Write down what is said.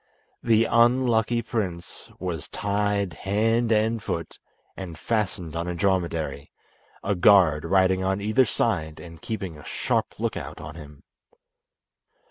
The unlucky prince was tied hand and foot, and fastened on a dromedary, a guard riding on either side and keeping a sharp look out on him.